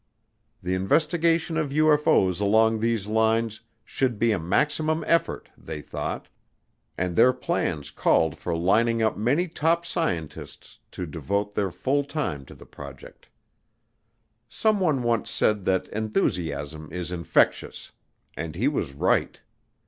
The investigation of UFO's along these lines should be a maximum effort, they thought, and their plans called for lining up many top scientists to devote their full time to the project. Someone once said that enthusiasm is infectious, and he was right.